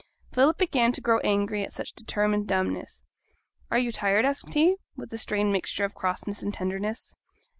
Philip began to grow angry at such determined dumbness. 'Are you tired?' asked he, with a strange mixture of crossness and tenderness.